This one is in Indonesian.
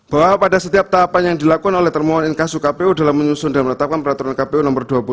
bahwa pada setiap tahapan yang dilakukan oleh termohon inkasu kpu dalam menyusun dan menetapkan peraturan kpu nomor dua puluh satu